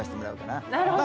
なるほど。